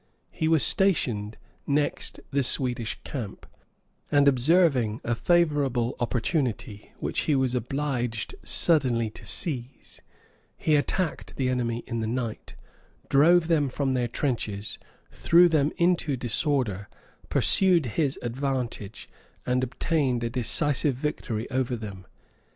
He was stationed next the Swedish camp, and observing a favorable opportunity, which he was obliged suddenly to seize, he Attacked the enemy in the night, drove them from their trenches, threw them into disorder, pursued his advantage, and obtained a decisive victory over them.